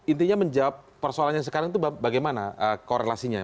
intinya menjawab persoalannya sekarang itu bagaimana korelasinya